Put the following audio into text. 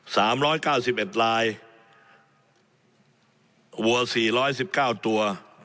สามร้อยเก้าสิบเอ็ดลายวัวสี่ร้อยสิบเก้าตัว